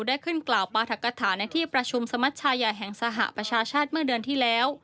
ได้ขึ้นกล่าวปราธกฐาในที่ประชุมสมัชชายาแห่งสหประชาชาติเมื่อเดือนที่แล้ว